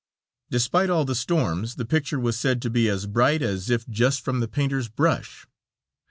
Despite all the storms the picture was said to be as bright as if just from the painter's brush.